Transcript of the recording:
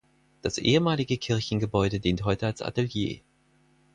Das ehemalige Kirchengebäude dient heute als Atelier.